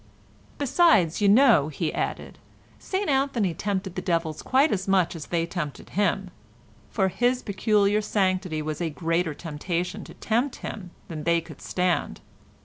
"Besides, you know," he added, "St Anthony tempted the devils quite as much as they tempted him; for his peculiar sanctity was a greater temptation to tempt him than they could stand.